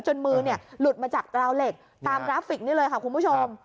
มือหลุดมาจากราวเหล็กตามกราฟิกนี่เลยค่ะคุณผู้ชม